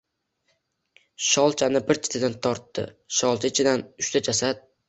Shol-chani bir chetidan tortdi. Sholcha ichidan... uchta jasad...